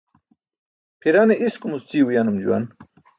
Pʰirane iskumuc ćii uyanum juwan.